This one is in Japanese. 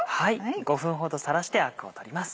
５分ほどさらしてアクを取ります。